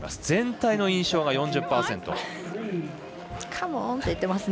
全体の印象が４０％。